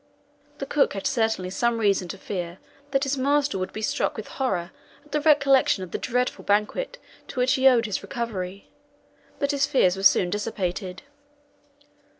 The cook had certainly some reason to fear that his master would be struck with horror at the recollection of the dreadful banquet to which he owed his recovery; but his fears were soon dissipated.